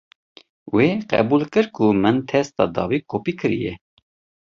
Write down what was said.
Wê qebûl kir ku min testa dawî kopî kiriye.